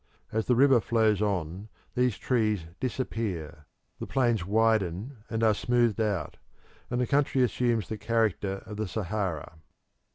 As the river flows on, these trees disappear; the plains widen and are smoothed out, and the country assumes the character of the Sahara.